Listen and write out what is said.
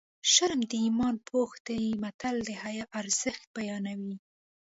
شرم د ایمان پوښ دی متل د حیا ارزښت بیانوي